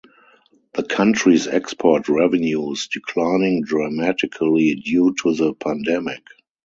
The country’s export revenues declining dramatically due to the pandemic.